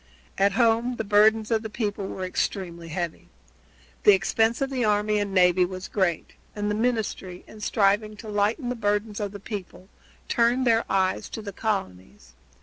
At home the burdens of the people were extremely heavy. The expense of the army and navy was great, and the ministry, in striving to lighten the burdens of the people, turned their eyes to the colonies.